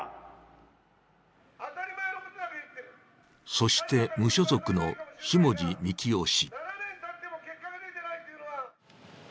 そして、無所属の下地幹郎氏。